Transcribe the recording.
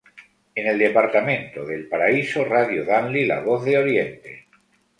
En el departamento de El Paraiso Radio Danlí la voz de oriente.